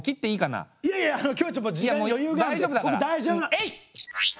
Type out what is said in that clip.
えい！